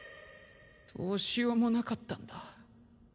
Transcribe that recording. どうしようもなかったんだ。